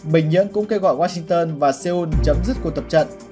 bình nhưỡng cũng kêu gọi washington và seoul chấm dứt cuộc tập trận